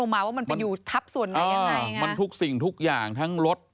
มันทุกสิ่งทุกอย่างทั้งรถ